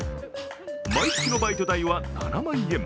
毎月のバイト代は７万円。